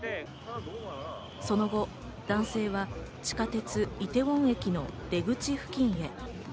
その後、男性は地下鉄イテウォン駅の出口付近へ。